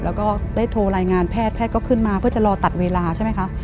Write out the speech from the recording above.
แล้วก็ได้โทรรายงานแพทยแพทย์แพทย์ก็ขึ้นมาเพื่อจะรอตัดเวลาใช่ไหมคะ